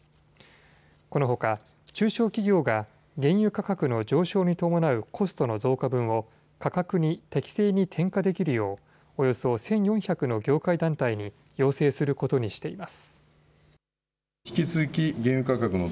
このほか中小企業が原油価格の上昇に伴うコストの増加分を価格に適正に転嫁できるようおよそ１４００の業界団体に要請することにしています。